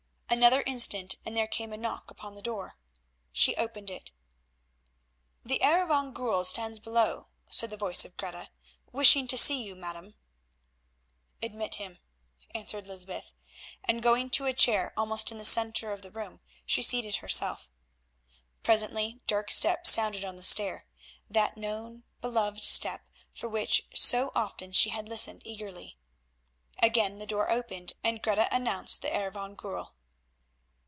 Another instant and there came a knock upon the door. She opened it. "The Heer van Goorl stands below," said the voice of Greta, "wishing to see you, madam." "Admit him," answered Lysbeth, and going to a chair almost in the centre of the room, she seated herself. Presently Dirk's step sounded on the stair, that known, beloved step for which so often she had listened eagerly. Again the door opened and Greta announced the Heer van Goorl.